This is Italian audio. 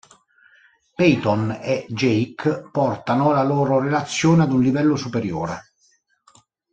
Peyton e Jake portano la loro relazione ad un livello superiore.